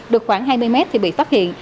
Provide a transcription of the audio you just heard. được khoảng hai mươi mét thì bị phát hiện